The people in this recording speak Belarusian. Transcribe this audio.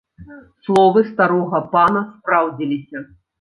Словы старога пана спраўдзіліся.